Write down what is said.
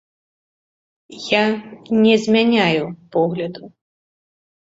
Я не змяняю погляду.